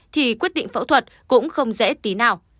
thì quyết định phẫu thuật cũng không dễ tí nào